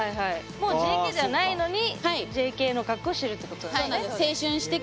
もうＪＫではないのにＪＫの格好をしてるってことなんだね。